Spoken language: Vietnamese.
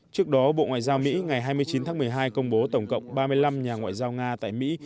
trước đó bộ ngoại giao mỹ ngày hai mươi chín tháng một mươi hai công bố tổng cộng ba mươi năm nhà ngoại giao nga tại mỹ